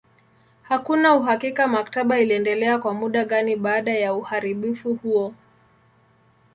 Hakuna uhakika maktaba iliendelea kwa muda gani baada ya uharibifu huo.